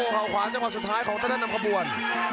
เข้าขวาจังหวัดสุดท้ายของต้นด้านนำกระบวน